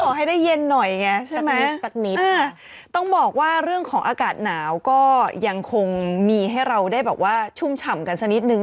ขอให้ได้เย็นหน่อยไงใช่ไหมสักนิดต้องบอกว่าเรื่องของอากาศหนาวก็ยังคงมีให้เราได้แบบว่าชุ่มฉ่ำกันสักนิดนึง